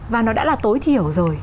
và nó đã là tối thiểu rồi